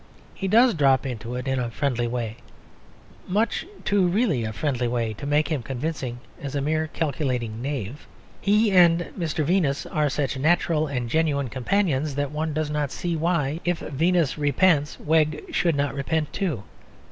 He does drop into it in a friendly way; in much too really a friendly way to make him convincing as a mere calculating knave. He and Mr. Venus are such natural and genuine companions that one does not see why if Venus repents Wegg should not repent too.